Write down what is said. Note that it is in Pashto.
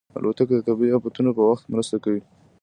الوتکه د طبیعي افتونو په وخت مرسته کوي.